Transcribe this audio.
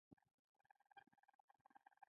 وزې د زمکې له وچو خواوو خواړه پیدا کوي